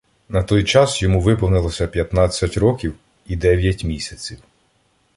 На той час йому виповнилося п'ятнадцять років і дев'ять місяців.